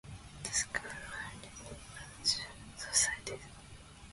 The school has many societies.